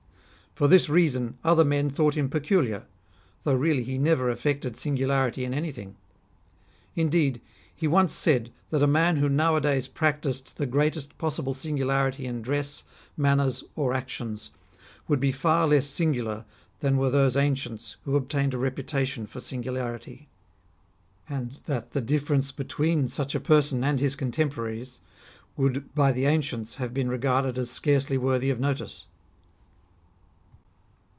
For this reason other men thought him peculiar, though really he never affected singularity in anything. Indeed, he once said that a man who nowadays practised the greatest possible singularity in dress, manners, or actions, would be far less singular than were those ancients who obtained a reputation for singularity ; and that the differ ence between such a pei son and his contemporaries would by the ancients have been regarded as scarcely worthy of notice.